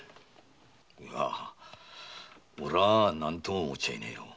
おれは何とも思っちゃいねえよ。